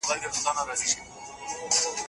حق باید په پوره امانتدارۍ سره خپل خاوند ته ورسیږي.